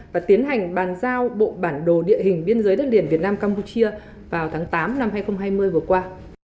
và tiến hành bàn giao bộ bản đồ địa hình biên giới đất liền việt nam campuchia vào tháng tám năm hai nghìn hai mươi vừa qua